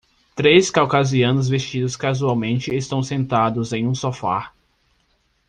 Três caucasianos vestidos casualmente estão sentados em um sofá.